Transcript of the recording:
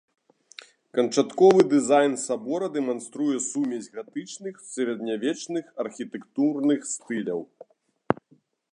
Канчатковы дызайн сабора дэманструе сумесь гатычных сярэднявечных архітэктурных стыляў.